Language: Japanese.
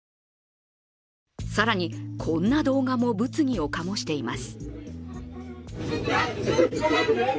更にこんな動画も物議を醸しています。